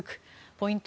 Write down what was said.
ポイント